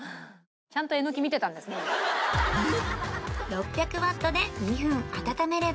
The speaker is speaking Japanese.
６００ワットで２分温めれば